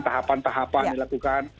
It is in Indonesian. tahapan tahapan yang dilakukan